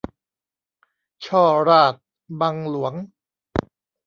ฉ้อราษฎร์บังหลวง